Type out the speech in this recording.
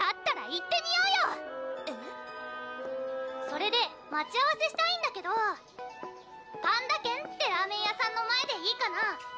「それで待ち合わせしたいんだけどぱんだ軒ってラーメン屋さんの前でいいかな？」